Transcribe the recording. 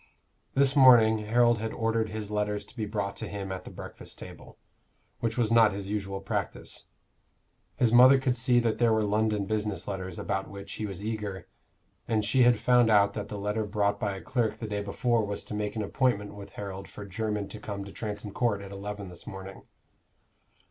This morning Harold had ordered his letters to be brought to him at the breakfast table, which was not his usual practice. His mother could see that there were London business letters about which he was eager, and she had found out that the letter brought by a clerk the day before was to make an appointment with Harold for Jermyn to come to Transome Court at eleven this morning.